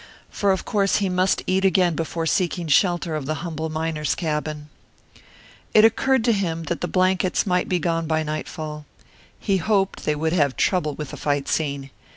For of course he must eat again before seeking shelter of the humble miner's cabin. It occurred to him that the blankets might be gone by nightfall. He hoped they would have trouble with the fight scene.